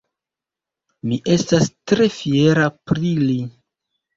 Mi estas tre fiera pri li.